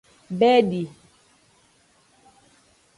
Bedi.